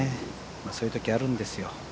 そういう時、あるんですよ。